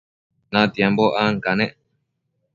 natianbo ancanec